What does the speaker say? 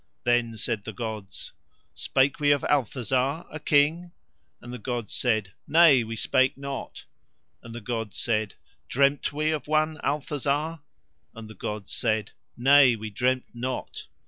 Then said the gods: "Spake we of Althazar, a King?" And the gods said: "Nay, we spake not." And the gods said: "Dreamed we of one Althazar?" And the gods said: "Nay, we dreamed not."